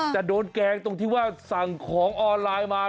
แต่โดนแกล้งตรงที่ว่าสั่งของออนไลน์มา